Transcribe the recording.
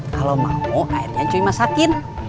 kalau mau airnya cuy masakin